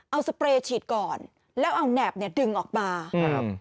เอาสเปรย์ฉีดก่อนแล้วเอาแหนบเนี่ยดึงออกมาครับ